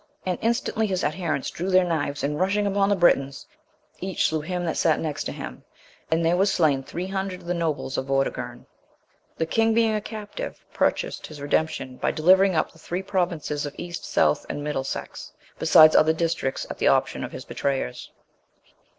and instantly his adherents drew their knives, and rushing upon the Britons, each slew him that sat next to him, and there was slain three hundred of the nobles of Vortigern. The king being a captive, purchased his redemption, by delivering up the three provinces of East, South, and Middle Sex, besides other districts at the option of his betrayers.